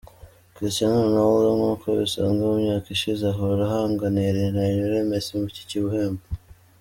Christiano Ronaldo nkuko bisanzwe mu myaka ishize ahora ahanganiye na Lionel Messi iki gihembo.